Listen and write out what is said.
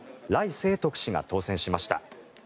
清徳氏が当選しました。